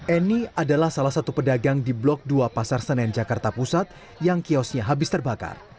eni adalah salah satu pedagang di blok dua pasar senen jakarta pusat yang kiosnya habis terbakar